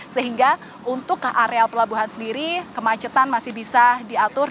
sehingga untuk ke area pelabuhan sendiri kemacetan masih bisa diatur